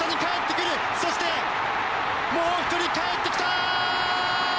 そして、もう１人かえってきた！